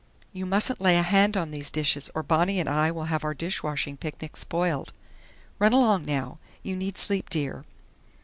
"You mustn't lay a hand on these dishes, or Bonnie and I will have our dishwashing picnic spoiled.... Run along now. You need sleep, dear."